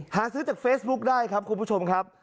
หาซื้อจากเฟซบุ๊คได้ครับคุณผู้ชมครับ